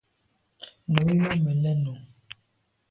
Nu i làn me lèn o.